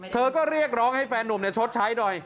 เหลียกร้องให้แฟนนุ่มชดชัดด้วย